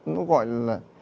nó gọi là